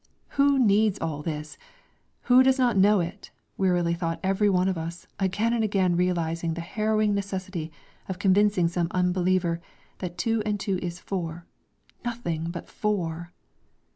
"Who needs all this? Who does not know it?" wearily thought every one of us, again and again realising the harrowing necessity of convincing some unbeliever, that two and two is four ... nothing but four!